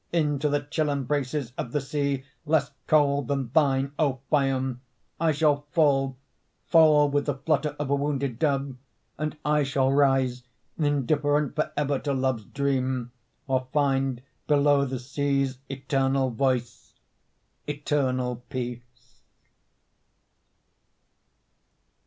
Into the chill Embraces of the sea, Less cold than thine, O Phaon, I shall fall Fall with the flutter of a wounded dove; And I shall rise Indifferent forever to love's dream, Or find below The sea's eternal voice, Eternal peace.